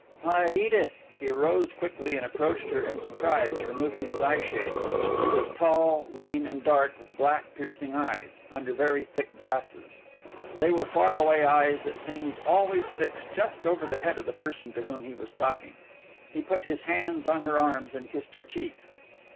"Why, Edith!" He rose quickly and approached her in surprise, removing his eye shade. He was tall, lean, and dark, with black, piercing eyes under very thick glasses. They were far away eyes that seemed always fixed just over the head of the person to whom he was talking. He put his hands on her arms and kissed her cheek.